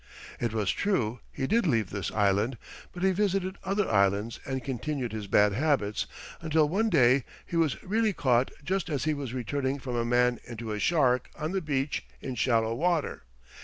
It was true, he did leave this island, but he visited other islands and continued his bad habits, until one day he was really caught just as he was turning from a man into a shark on the beach in shallow water.